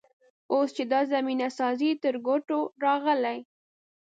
اوس چې دا زمینه سازي تر ګوتو راغلې.